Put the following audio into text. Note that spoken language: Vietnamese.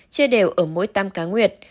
chia đều ở mỗi tăm cá nguyệt